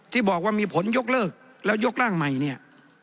ที่บอกว่ามีผลยกเลิกแล้วยกร่างใหม่เนี่ย